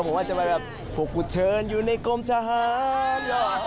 ผมอาจจะไปแบบพวกกูเชิญอยู่ในกลมทาง